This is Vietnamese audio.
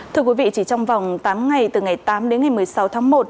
thưa quý vị chỉ trong vòng tám ngày từ ngày tám đến ngày một mươi sáu tháng một